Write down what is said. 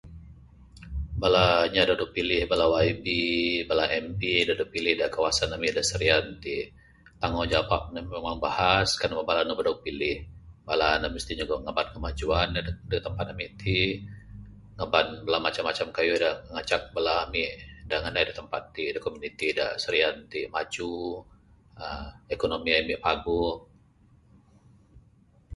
Bala inya da dog pilih bala YB bala da dog pilih da kawasan ami serian ti tanggungjawab ne memang bahas kalau bala ne dog pilih. Bala ne mesti ngaban kemajuan da tempat ami ti ngaban bala macam macam kayuh macam Bala ami da nganai tempat ti komuniti da serian ti maju uhh ekonomi ami paguh